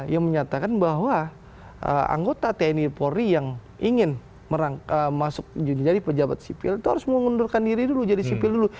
yang menyatakan bahwa anggota tni polri yang ingin masuk jadi pejabat sipil itu harus mengundurkan diri dulu jadi sipil dulu